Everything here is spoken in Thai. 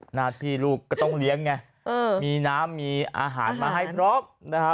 หน้าที่ลูกก็ต้องเลี้ยงไงมีน้ำมีอาหารมาให้พร้อมนะฮะ